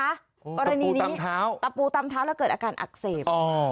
ตะปูตำเท้าตะปูตำเท้าแล้วเกิดอาการอักเสบ